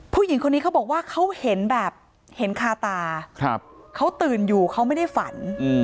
ผู้หญิงคนนี้เขาบอกว่าเขาเห็นแบบเห็นคาตาเขาตื่นอยู่เขาไม่ได้ฝัน